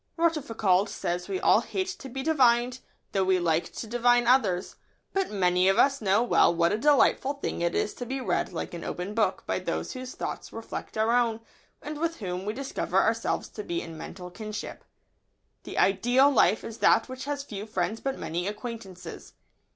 Rochefoucauld says we all hate to be divined, though we like to divine others; but many of us know well what a delightful thing it is to be read like an open book by those whose thoughts reflect our own, and with whom we discover ourselves to be in mental kinship. [Sidenote: The ideal life few friends, many acquaintances.] The ideal life is that which has few friends but many acquaintances.